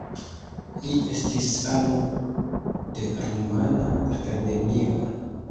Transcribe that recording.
Li estis ano de Rumana Akademio.